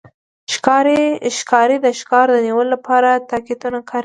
ښکاري د ښکار د نیولو لپاره تاکتیکونه کاروي.